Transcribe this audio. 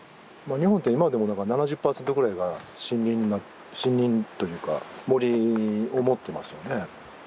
日本って今でもなんか７０％ぐらいが森林森林というか森を持ってますよね。